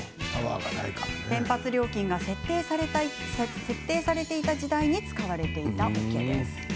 洗髪料金が設定されていた時代に使われていたおけだったんですね。